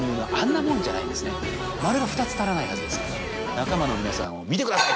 仲間の皆さんを見てください！